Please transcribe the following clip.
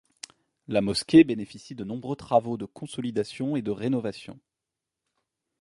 La mosquée bénéficie de nombreux travaux de consolidation et de rénovation.